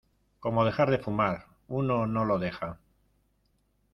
como dejar de fumar. uno no lo deja